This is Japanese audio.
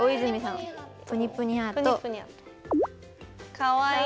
かわいい。